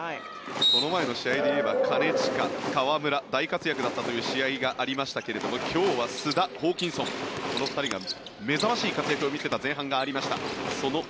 この前の試合でいえば金近、河村、大活躍だったという試合がありましたが今日は須田、ホーキンソンこの２人が目覚ましい活躍を見せた前半がありました。